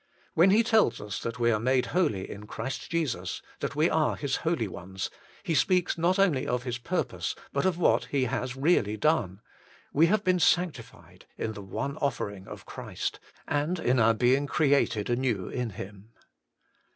When He tells us that we are made holy in Christ Jesus, that we are His holy ones, He speaks not only of His purpose, but of what He has really done ; we have been sanctified in the one offering HOLINESS AND REDEMPTION. 51 of Christ, and in our being created anew in Him.